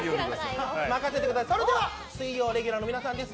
それでは水曜レギュラーの皆さんです。